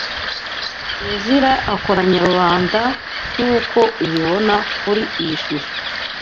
Ezira akoranya rubanda nk’uko ubibona kuri iyi shusho